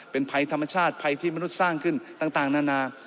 เป็นภัยธรรมชาติภัยที่มนุษย์สร้างขึ้นต่างนานา